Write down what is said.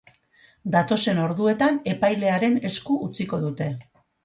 Datozen orduetan, epailearen esku utziko dute.